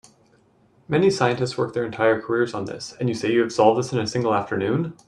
Many scientists work their entire careers on this, and you say you have solved this in a single afternoon?